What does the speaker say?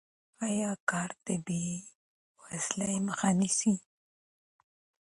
آیا کار د بې وزلۍ مخه نیسي؟